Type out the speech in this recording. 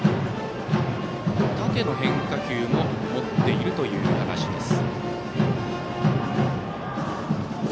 縦の変化球も持っているという話です。